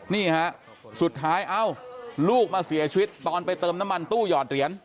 นี่ฮะสุดท้ายเอ้าลูกมาเสียชีวิตตอนไปเติมน้ำมันตู้หยอดเหรียญ